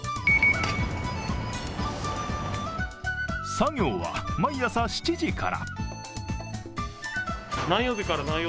作業は毎朝７時から。